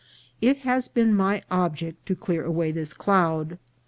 It has been my object to clear away this cloud.